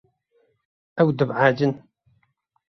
Ew dibehecin.